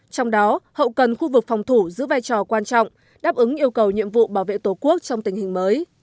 trong đó hậu cần khu vực phòng thủ giữ vai trò quan trọng đáp ứng yêu cầu nhiệm vụ bảo vệ tổ quốc trong tình hình mới